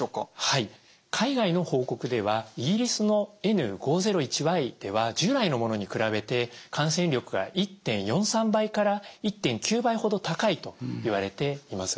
海外の報告ではイギリスのＮ５０１Ｙでは従来のものに比べて感染力が１．４３倍から１．９倍ほど高いといわれています。